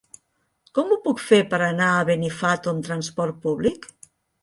Com ho puc fer per anar a Benifato amb transport públic?